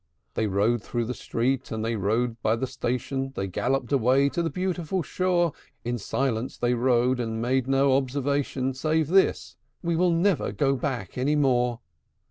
VI. They rode through the street, and they rode by the station; They galloped away to the beautiful shore; In silence they rode, and "made no observation," Save this: "We will never go back any more!"